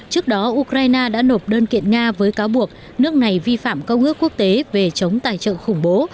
trước đó ukraine đã nộp đơn kiện nga với cáo buộc nước này vi phạm công ước quốc tế về chống tài trợ khủng bố